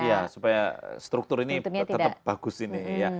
iya supaya struktur ini tetap bagus ini